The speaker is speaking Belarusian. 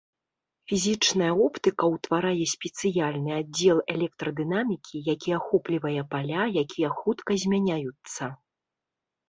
Фізічная оптыка ўтварае спецыяльны аддзел электрадынамікі, які ахоплівае паля, якія хутка змяняюцца.